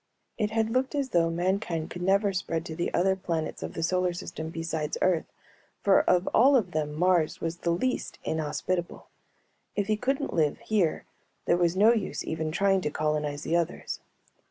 It had looked as though mankind could never spread to the other planets of the solar system besides Earth for of all of them Mars was the least inhospitable; if he couldn't live here there was no use even trying to colonize the others.